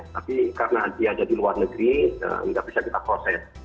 tapi karena dia ada di luar negeri nggak bisa kita proses